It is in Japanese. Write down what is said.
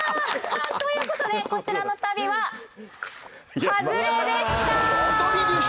という事でこちらの旅はハズレでした！